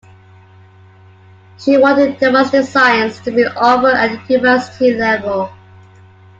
She wanted Domestic Science to be offered at the university level.